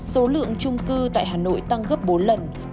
số lượng trung cư tại hà nội tăng gấp bốn lần